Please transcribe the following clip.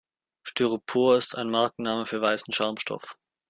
Styropor ist ein Markenname für weißen Schaumstoff.